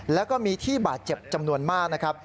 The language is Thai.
แล้วก็มีที่บาดเจ็บจำนวนมากนะครับ